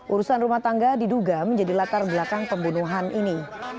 urusan rumah tangga diduga menjadi latar belakang pembunuhan ini